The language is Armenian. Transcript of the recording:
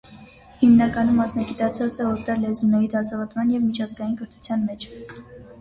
Հիմնականում մասնագիտացած է օտար լեզուների դասավանդման և միջազգային կրթության մեջ։